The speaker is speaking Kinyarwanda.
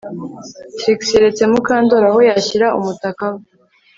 Trix yeretse Mukandoli aho yashyira umutaka we